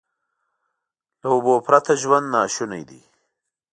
له اوبو پرته ژوند ناشونی دی.